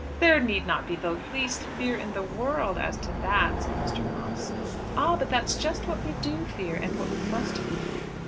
"There need not be the least fear in the world as to that," said Mr. Moss. "Ah; but that's just what we do fear, and what we must fear."